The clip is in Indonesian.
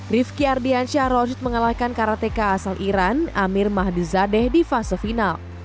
rifki ardiansyah roshid mengalahkan karateka asal iran amir mahdizadeh di fase final